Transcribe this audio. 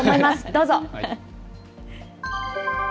どうぞ。